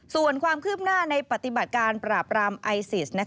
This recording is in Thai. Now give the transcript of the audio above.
ส่วนความคืบหน้าในปฏิบัติการปราบรามไอซิส